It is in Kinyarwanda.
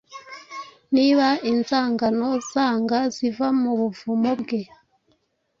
Niba inzangano zanga ziva mu buvumo bwe